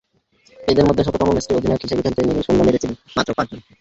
এঁদের মধ্যে শততম ম্যাচটি অধিনায়ক হিসেবে খেলতে নেমে শূন্য মেরেছিলেন মাত্র পাঁচজন।